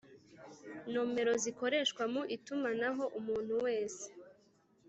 nomero zikoreshwa mu itumanaho umuntu wese